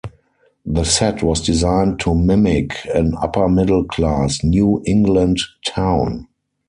The set was designed to mimic an upper-middle class, New England town.